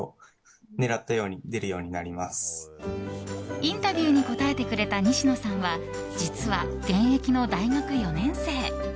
インタビューに答えてくれた西野さんは実は現役の大学４年生。